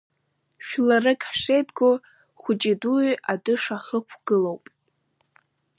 Жәларык ҳшеибгоу хәыҷи дуи атыша ҳхықәгылоуп.